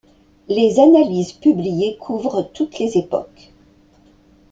Les analyses publiées couvrent toutes les époques.